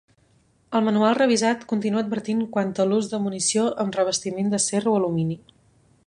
El manual revisat continua advertint quant a l'ús de munició amb revestiment d'acer o alumini.